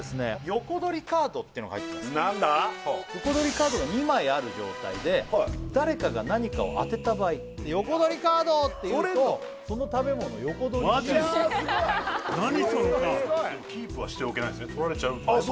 横取りカードが２枚ある状態で誰かが何かを当てた場合横取りカード！って言うとその食べ物横取りできちゃうキープはしておけないんですね